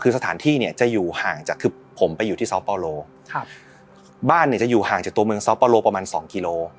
คือสถานที่จะอยู่ห่างจากผมไปอยู่ที่ซัลเปาโลบ้านจะอยู่ห่างจากตัวเมืองซัลเปาโลประมาณ๒กิโล